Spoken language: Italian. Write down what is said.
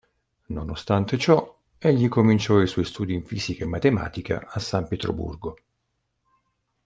Nonostante ciò, egli cominciò i suoi studi in fisica e matematica a San Pietroburgo.